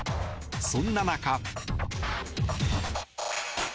そんな中。